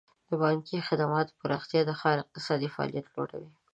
د بانکي خدماتو پراختیا د ښار اقتصادي فعالیت لوړوي.